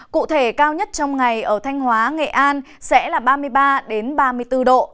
cụ thể cao nhất trong ngày ở thanh hóa nghệ an sẽ là ba mươi ba ba mươi bốn độ